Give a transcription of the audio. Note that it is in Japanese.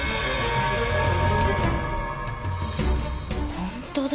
本当だ。